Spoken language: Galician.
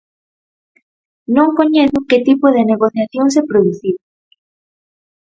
Non coñezo que tipo de negociación se produciu.